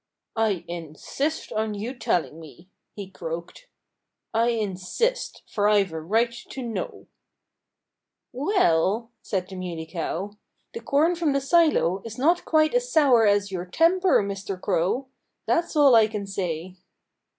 "I insist on your telling me," he croaked. "I insist; for I've a right to know." "Well," said the Muley Cow, "the corn from the silo is not quite as sour as your temper, Mr. Crow. And that's all I can say."